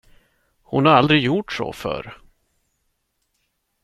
Hon har aldrig gjort så förr.